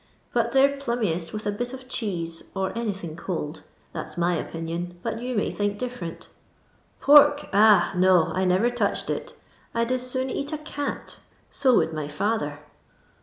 But tney 're plummicst with a bit of cheese or anything cold — that 's mr opinioo, bnt you may think di^rent Pork 1 Ah J Nc^ I never touched it; I 'd as soon eat a eat ; fo wonld my fiither.